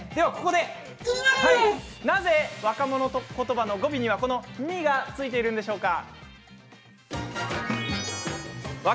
なぜ若者言葉の語尾には「み」がついているんでしょうか。